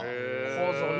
構造ね。